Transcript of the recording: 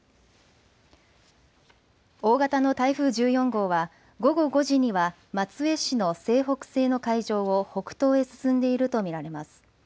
大型の台風１４号は、午後５時には松江市の西北西の海上を北東へ進んでいると見られます。